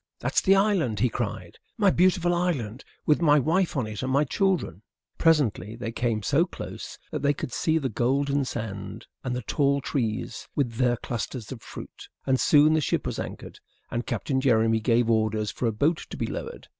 "That's the island," he cried, "my beautiful island, with my wife on it and my children." Presently they came so close that they could see the golden sand and the tall trees with their clusters of fruit; and soon the ship was anchored, and Captain Jeremy gave orders for a boat to be lowered.